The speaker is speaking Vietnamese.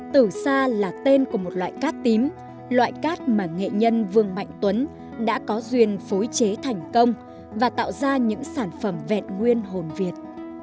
từ xa là tên của một loại cát tím loại cát mà nghệ nhân vương mạnh tuấn đã có duyên phối chế thành công và tạo ra những sản phẩm vẹn nguyên hồn việt